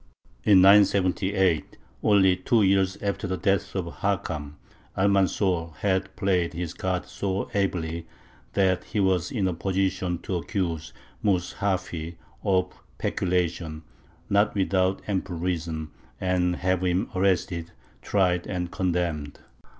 In 978, only two years after the death of Hakam, Almanzor had played his cards so ably, that he was in a position to accuse Mus hafy of peculation not without ample reason and have him arrested, tried, and condemned.